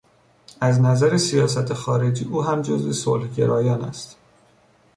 از نظر سیاست خارجی او هم جزو صلح گرایان است.